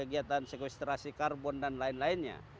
kemudian melakukan kegiatan sekwestrasi karbon dan lain lainnya